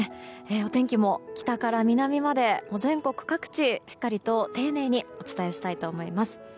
お天気も北から南まで全国各地しっかりと丁寧にお伝えしたいと思います。